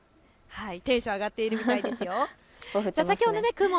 テンション上がっているみたいですよ。